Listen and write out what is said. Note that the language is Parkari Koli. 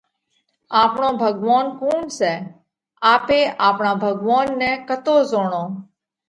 آپڻو ڀڳوونَ ڪُوڻ سئہ؟ آپي آپڻا ڀڳوونَ نئہ ڪتو زوڻونه؟